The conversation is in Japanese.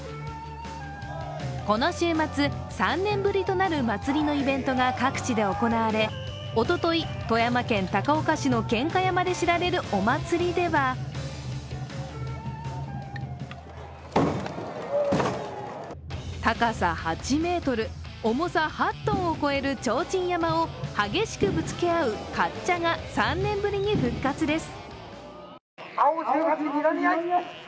この週末、３年ぶりとなる祭りのイベントが各地で行われ、おととい、富山県高岡市のけんか山で知られるお祭りでは高さ８ｍ、重さ８トンを超える提灯山を激しくぶつけ合うかっちゃが３年ぶりに復活です。